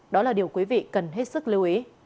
đó là điều quý vị cần hết sức lưu ý